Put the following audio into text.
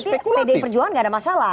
itu berarti pd perjuangan gak ada masalah